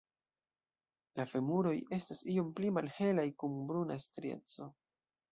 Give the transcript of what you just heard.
La femuroj estas iom pli malhelaj kun bruna strieco.